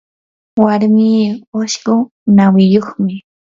warmii ushqu nawiyuqmi.